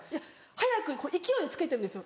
速く勢いをつけてるんですよ。